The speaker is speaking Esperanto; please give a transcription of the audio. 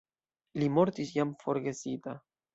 Li mortis jam forgesita.